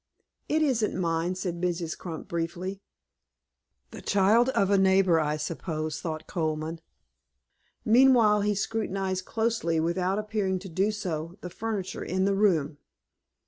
"It isn't mine," said Mrs. Crump, briefly. "The child of a neighbor, I suppose," thought Colman. Meanwhile he scrutinized closely, without appearing to do so, the furniture in the room.